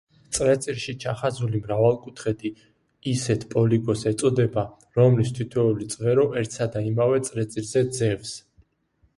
წრეწირში ჩახაზული მრავალკუთხედი ისეთ პოლიგონს ეწოდება, რომლის თითოეული წვერო ერთსა და იმავე წრეწირზე ძევს.